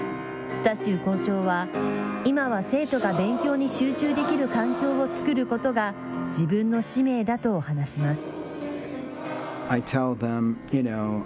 スタシウ校長は今は生徒が勉強に集中できる環境を作ることが自分の使命だと話します。